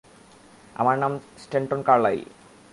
আমার নাম Stanton Carlyle.